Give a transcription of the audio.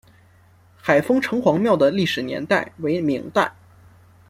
海丰城隍庙的历史年代为明代。